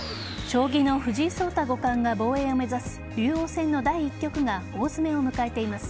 将棋の藤井聡太五冠が防衛を目指す竜王戦の第１局が大詰めを迎えています。